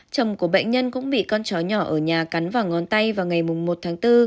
chồng của bệnh nhân cũng bị con chó nhỏ ở nhà cắn vào ngón tay vào ngày một tháng bốn